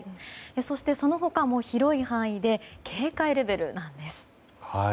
そして、その他も広い範囲で警戒レベルなんです。